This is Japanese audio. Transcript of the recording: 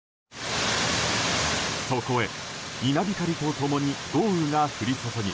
そこへ、稲光と共に豪雨が降り注ぎ